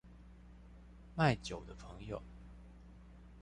賣酒的朋友